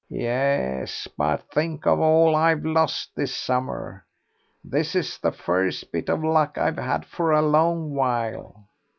"Yes, but think of all I've lost this summer. This is the first bit of luck I've had for a long while."